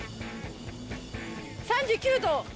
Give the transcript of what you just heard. ３９度！